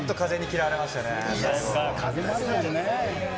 風もあるもんね。